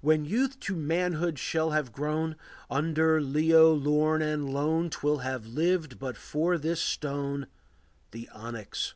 When youth to manhood shall have grown, Under Leo lorn and lone 'Twill have lived but for this stone, The onyx.